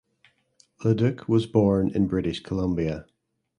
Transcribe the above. Leduc was born in British Columbia.